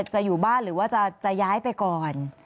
จะอยู่บ้านหรือว่าจะย้ายไปก่อน